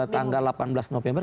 tanggal delapan belas november